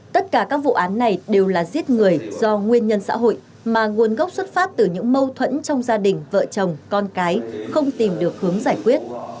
tất cả các vụ án này đều là giết người do nguyên nhân xã hội mà nguồn gốc xuất phát từ những mâu thuẫn trong gia đình vợ chồng con cái không tìm được hướng giải quyết